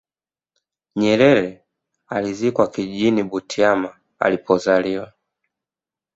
nyerere alizikwa kijijini butiama alipozaliwa